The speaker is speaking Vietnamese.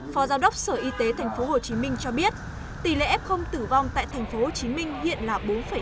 phó giáo đốc sở y tế tp hcm cho biết tỷ lệ f tử vong tại tp hcm hiện là bốn năm